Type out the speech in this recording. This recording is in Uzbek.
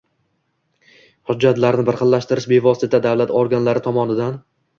Hujjatlarni birxillashtirish bevosita davlat organlari tomonidan